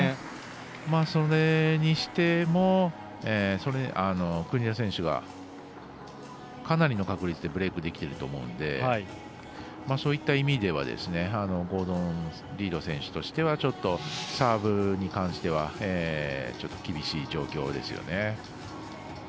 それにしても、国枝選手がかなりの確率でブレークできてると思うのでそういった意味ではゴードン・リード選手としてはちょっと、サーブに関してはちょっと厳しい状況ですよね。